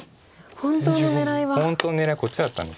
本当の狙いはこっちだったんです。